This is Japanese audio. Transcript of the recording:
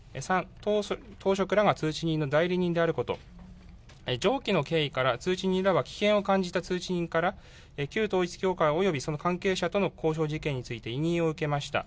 ３、当職らが通知人の代理人であること、上記の経緯から、通知人らは危険を感じた通知人から旧統一教会およびその関係者とのこうしょう事件について委任を受けました。